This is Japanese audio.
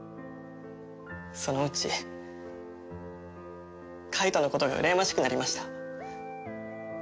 そのうち介人のことがうらやましくなりました。